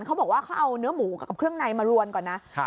เขาบอกว่าเขาเอาเนื้อหมูกับเครื่องในมารวนก่อนนะ